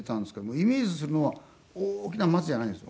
イメージするのは大きな松じゃないんですよ。